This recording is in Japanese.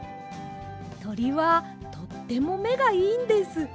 とりはとってもめがいいんです。